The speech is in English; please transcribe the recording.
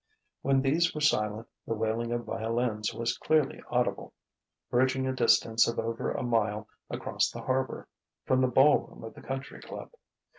When these were silent the wailing of violins was clearly audible, bridging a distance of over a mile across the harbour, from the ball room of the country club.